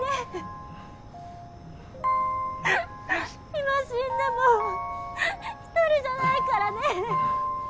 今死んでも一人じゃないからね。